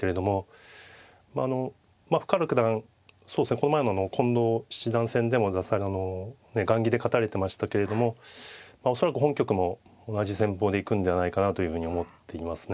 この前の近藤七段戦でも雁木で勝たれてましたけれども恐らく本局も同じ戦法でいくんではないかなというふうに思っていますね。